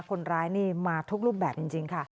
คนร้ายนี่มาทุกรูปแบบจริงค่ะ